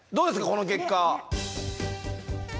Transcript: この結果。